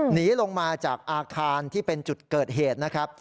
หนีลงมาจากอาคารที่เป็นจุดเกิดเหตุนะครับ